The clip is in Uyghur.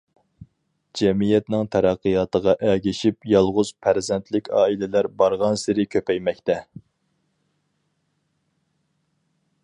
جەمئىيەتنىڭ تەرەققىياتىغا ئەگىشىپ يالغۇز پەرزەنتلىك ئائىلىلەر بارغانسېرى كۆپەيمەكتە.